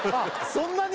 そんなに？